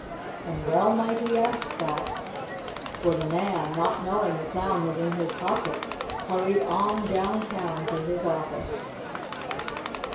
And well might he ask that, for the man, not knowing the Clown was in his pocket, hurried on down town to his office.